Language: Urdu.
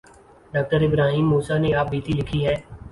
ڈاکٹرابراہیم موسی نے آپ بیتی لکھی ہے۔